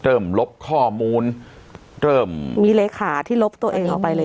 ลบข้อมูลเริ่มมีเลขาที่ลบตัวเองออกไปเลย